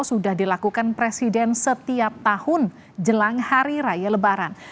sudah dilakukan presiden setiap tahun jelang hari raya lebaran